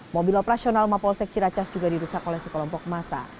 mobil operasional mapolsek ciracas juga dirusak oleh sekelompok masa